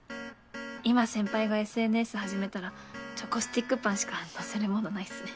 今先輩がＳＮＳ始めたらチョコスティックパンしか載せるものないっすね。